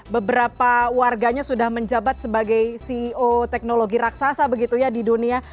beberapa warganya sudah menjabat sebagai ceo teknologi raksasa begitu ya di dunia